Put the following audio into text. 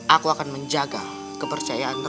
aku akan menjaga kepercayaan diri